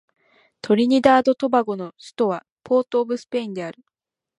トリニダード・トバゴの首都はポートオブスペインである